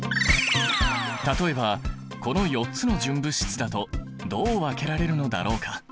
例えばこの４つの純物質だとどう分けられるのだろうか？